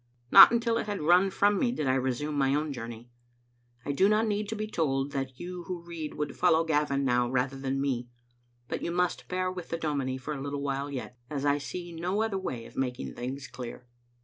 Not until it had run from me did I resume my own journey. I do not need to be told that you who read would follow Gavin now rather than me ; but you must bear with the dominie for a little while yet, as I see no other way of making things clear.